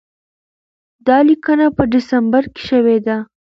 دا لیکنه په ډسمبر کې شوې ده.